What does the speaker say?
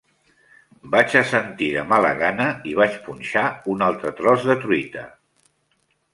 Vaig assentir de mala gana i vaig punxar un altre tros de truita.